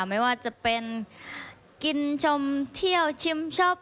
ไม่ว่าจะเป็นกินชมเที่ยวชิมชอบ